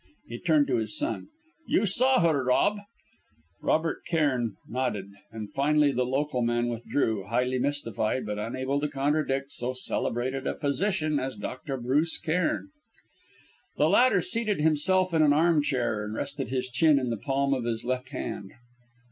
He turned to his son. "You saw her, Rob?" Robert Cairn nodded, and finally the local man withdrew, highly mystified, but unable to contradict so celebrated a physician as Dr. Bruce Cairn. The latter seated himself in an armchair, and rested his chin in the palm of his left hand.